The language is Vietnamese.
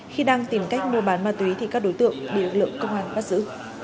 khi đang tìm cách mua bán ma túy thì các đối tượng bị lực lượng công an bắt giữ